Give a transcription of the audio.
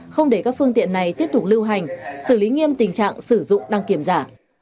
không để các phương tiện này tiếp tục lưu hành xử lý nghiêm tình trạng sử dụng đăng kiểm giả